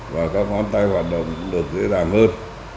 và các ngón tay hoạt động cũng được dễ dàng hơn